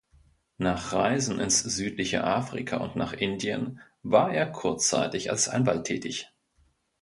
Nach Reisen ins südliche Afrika und nach Indien war er kurzzeitig als Anwalt tätig.